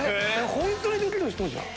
本当にできる人じゃん。